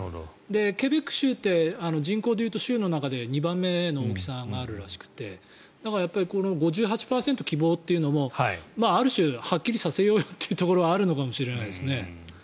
ケベック州って人口で言うと州の中で２番目の大きさがあるらしくてだからこの５８％希望っていうのもある種はっきりさせようよというところがあるのかもしれないですね。